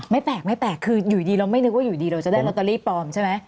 ไม่แปลกไม่แปลกคืออยู่ดีเราไม่นึกว่าอยู่ดีเราจะได้ลอตเตอรี่ปลอมใช่ไหม